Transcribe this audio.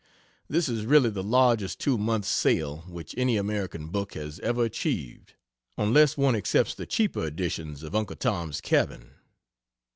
This is really the largest two months' sale which any American book has ever achieved (unless one excepts the cheaper editions of Uncle Tom's Cabin).